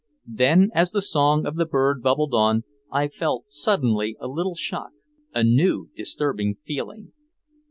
Then as the song of the bird bubbled on, I felt suddenly a little shock, a new disturbing feeling.